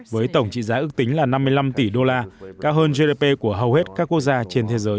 với tổng trị giá ước tính là năm mươi năm tỷ đô la cao hơn gdp của hầu hết các quốc gia trên thế giới